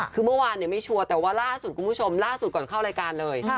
คือเมื่อวานไม่ชัวร์แต่ว่าล่าสุดคุณผู้ชมล่าสุดก่อนเข้ารายการเลย